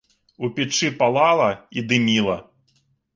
У печы палала і дыміла.